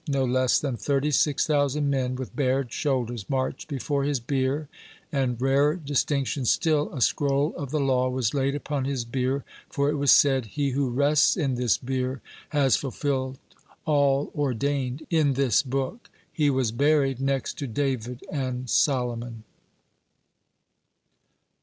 No less than thirty six thousand men with bared shoulders marched before his bier, and, rarer distinction still, a scroll of the law was laid upon his bier, for it was said: "He who rests in this bier, has fulfilled all ordained in this book." (91) He was buried next to David and Solomon.